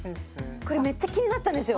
これめっちゃ気になってたんですよ